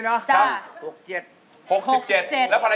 แต่มาวลีมมันเด็กไม่ได้